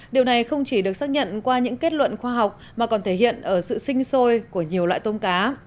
điều này không chỉ được xác nhận qua những kết luận khoa học mà còn thể hiện ở sự sinh sôi của nhiều loại tôm cá